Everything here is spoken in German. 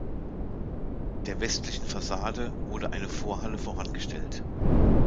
Der westlichen Fassade wurde eine Vorhalle vorangestellt.